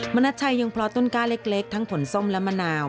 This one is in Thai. นัทชัยยังเพราะต้นกล้าเล็กทั้งผลส้มและมะนาว